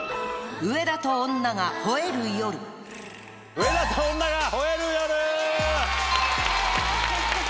『上田と女が吠える夜』！